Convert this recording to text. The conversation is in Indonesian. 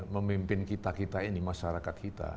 memimpin kita kita ini masyarakat kita